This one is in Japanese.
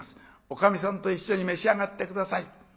おかみさんと一緒に召し上がって下さい」。